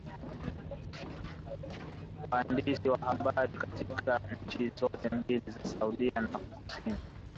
Waandishi wa habari katika nchi zote mbili za Sudan na Sudan Kusini